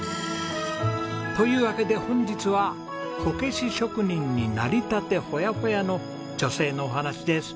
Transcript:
というわけで本日はこけし職人になりたてホヤホヤの女性のお話です。